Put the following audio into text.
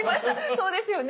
そうですよね。